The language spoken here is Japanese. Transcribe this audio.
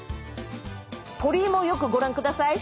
鳥居もよくご覧ください。